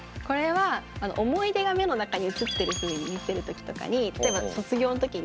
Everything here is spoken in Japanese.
これは思い出が目の中に映ってるふうに見せるときとかに例えばなるほど。